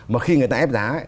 mà khi người ta ép giá